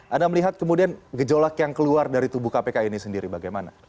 anda melihat kemudian gejolak yang keluar dari tubuh kpk ini sendiri bagaimana